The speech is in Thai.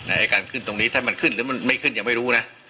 ไอ้การขึ้นตรงนี้ถ้ามันขึ้นหรือมันไม่ขึ้นยังไม่รู้นะ